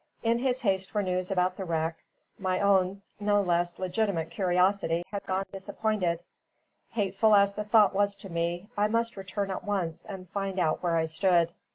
In his haste for news about the wreck, my own no less legitimate curiosity had gone disappointed. Hateful as the thought was to me, I must return at once and find out where I stood.